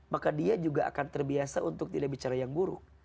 maka dia juga akan terbiasa untuk tidak bicara yang buruk